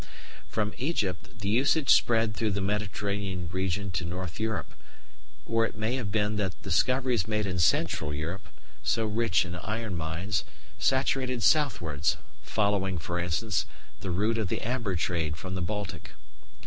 From Egypt the usage spread through the Mediterranean region to North Europe, or it may have been that discoveries made in Central Europe, so rich in iron mines, saturated southwards, following for instance, the route of the amber trade from the Baltic.